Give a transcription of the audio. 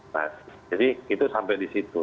nah jadi itu sampai di situ